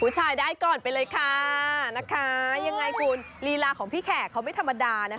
ชายได้ก่อนไปเลยค่ะนะคะยังไงคุณลีลาของพี่แขกเขาไม่ธรรมดานะคะ